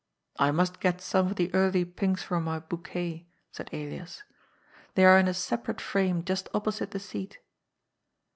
*' I must get some of the early pinks for my bouquet," said Elias. ''They are in a separate frame just opposite the seat.